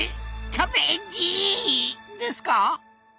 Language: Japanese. キャベージィ！ですか？